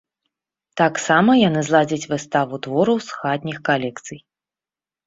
Таксама яны зладзяць выставу твораў з хатніх калекцый.